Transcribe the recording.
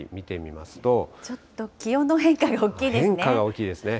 ちょっと気温の変化が大きい変化が大きいですね。